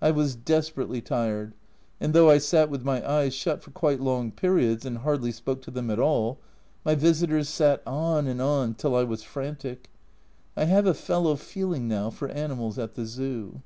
I was desperately tired, and though I sat with my eyes shut for quite long periods and hardly spoke to them at all, my visitors sat on and on till I was frantic. I have a fellow feeling now for animals at the Zoo.